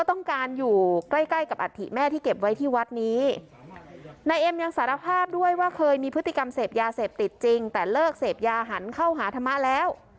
แต่เลิกเสพยาหันเข้าหาธรรมะแล้ว